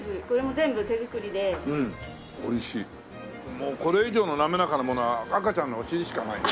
もうこれ以上のなめらかなものは赤ちゃんのお尻しかないね。